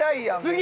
次。